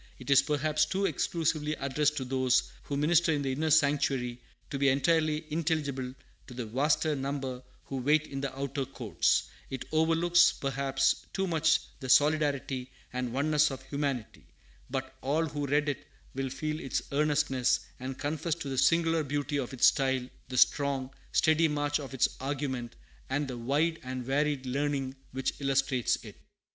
It is perhaps too exclusively addressed to those who minister in the inner sanctuary, to be entirely intelligible to the vaster number who wait in the outer courts; it overlooks, perhaps, too much the solidarity and oneness of humanity;' but all who read it will feel its earnestness, and confess to the singular beauty of its style, the strong, steady march of its argument, and the wide and varied learning which illustrates it.